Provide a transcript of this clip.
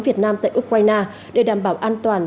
việt nam tại ukraine để đảm bảo an toàn